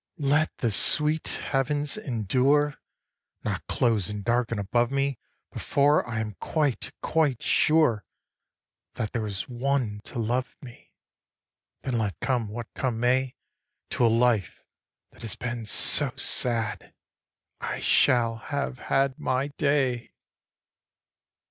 2. Let the sweet heavens endure, Not close and darken above me Before I am quite quite sure That there is one to love me; Then let come what come may To a life that has been so sad, I shall have had my day.